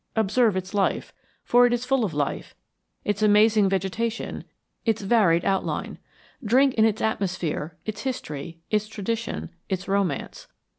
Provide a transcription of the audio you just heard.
Observe its life for it is full of life; its amazing vegetation; its varied outline. Drink in its atmosphere, its history, its tradition, its romance.